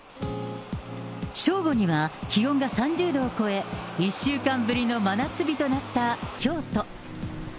正午には気温が３０度を超え、１週間ぶりの真夏日となった京都。